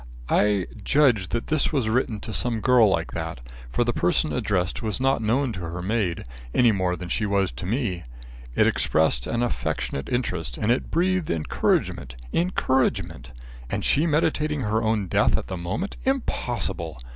I judge that this was written to some girl like that, for the person addressed was not known to her maid, any more than she was to me. It expressed an affectionate interest, and it breathed encouragement encouragement! and she meditating her own death at the moment! Impossible!